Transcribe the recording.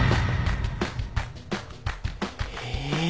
え。